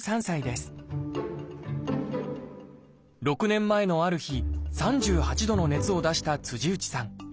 ６年前のある日３８度の熱を出した内さん。